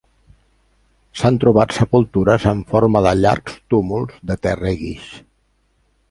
S'han trobat sepultures en forma de llargs túmuls de terra i guix.